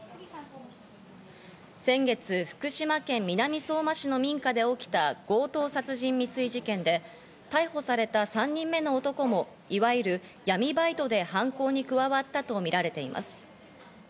先月、福島県南相馬市の民家で起きた強盗殺人未遂事件で、逮捕された３人目の男も、いわゆる闇バイトで犯行に加わったとみられています。